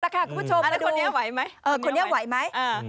ประกาศคุณผู้ชมอันนี้ไหวไหม